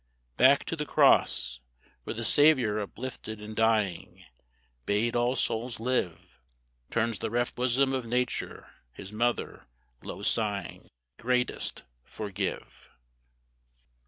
Back to the cross, where the Saviour uplifted in dying Bade all souls live, Turns the reft bosom of Nature, his mother, low sighing, Greatest, forgive!